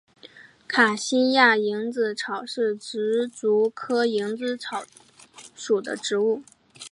卡西亚蝇子草是石竹科蝇子草属的植物。